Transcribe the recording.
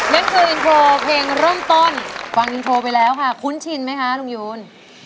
นั่นคืออินโทรเพลงเริ่มต้นฟังอินโทรไปแล้วค่ะคุ้นชินไหมคะลุงยูน